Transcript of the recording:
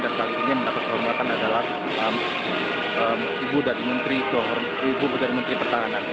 dan saat ini yang mendapatkan pemerintahan adalah ibu dari menteri pertahanan